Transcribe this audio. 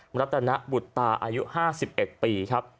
รัตนบุตตาอายุ๕๑ปีครับ